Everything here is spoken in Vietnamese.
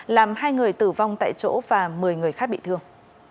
làm hai người tử vong tại chỗ và một mươi người khác bị thương